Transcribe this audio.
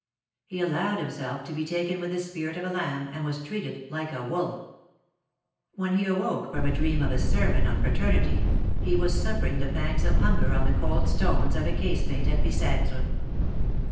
He allowed himself to be taken with the spirit of a lamb, and was treated like a wolf. AVhen he awoke from a dream of a sermon on Fraternity, he was suffering the pangs of hunger on the cold stones of a casemate at Bic^tre.